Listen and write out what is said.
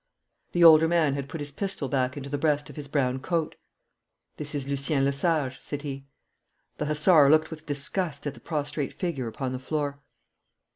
The older man had put his pistol back into the breast of his brown coat. 'This is Lucien Lesage,' said he. The hussar looked with disgust at the prostrate figure upon the floor.